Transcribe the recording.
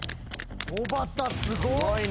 おばたすごっ！